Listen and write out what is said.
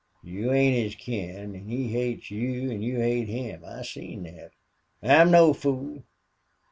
You ain't his kin an' he hates you an' you hate him. I seen thet. I'm no fool.